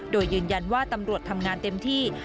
โดยยืนยันว่าตำรวจทำงานเต็มที่